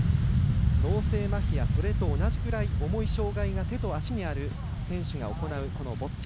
脳性まひとそれと同じくらいの障がいが手と足にある選手が行うボッチャ。